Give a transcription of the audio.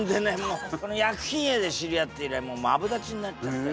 薬品会で知り合って以来もうマブダチになっちゃって。